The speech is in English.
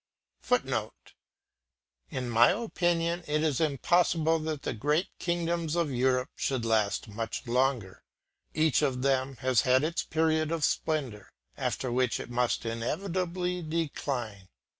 [Footnote: In my opinion it is impossible that the great kingdoms of Europe should last much longer. Each of them has had its period of splendour, after which it must inevitably decline.